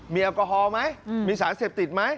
มีแอลกอฮอลไหมมีสารเสพติดไหม